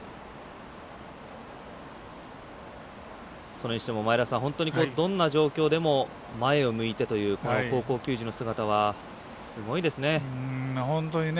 それにしても、前田さんどんな状況でも前を向いてという高校球児の姿はすごいですね。